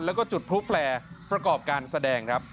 แล้วก็จุดพลุแฟร์ประกอบการแสดงครับ